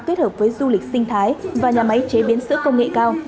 kết hợp với du lịch sinh thái và nhà máy chế biến sữa công nghệ cao